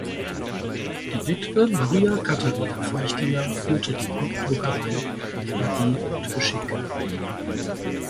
Die Witwe Maria Katharina Feichtinger führte die Buchdruckerei mit Energie und Geschick.